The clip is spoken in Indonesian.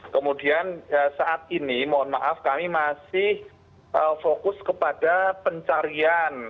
kemudian saat ini mohon maaf kami masih fokus kepada pencarian